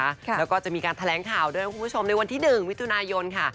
แล้วก็จะมีการแถลงข่าวด้วยคุณผู้ชมในวันที่หนึ่งมิถุนายนค่ะ